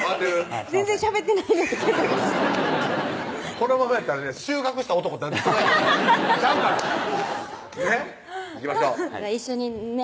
このままやったらね収穫した男なんねんちゃうからねっいきましょう一緒にね